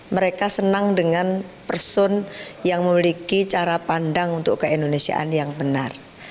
mereka senang dengan person yang memiliki cara pandang untuk keindonesiaan yang benar